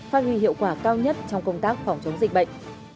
phát huy hiệu quả cao nhất trong công tác phòng chống dịch bệnh